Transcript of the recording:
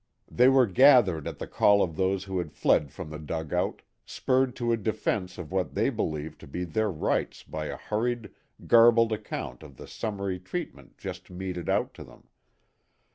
They were gathered at the call of those who had fled from the dugout, spurred to a defense of what they believed to be their rights by a hurried, garbled account of the summary treatment just meted out to them.